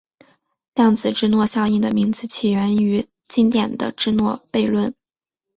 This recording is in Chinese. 量子芝诺效应的名字起源于经典的芝诺悖论。